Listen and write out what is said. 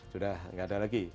sudah tidak ada lagi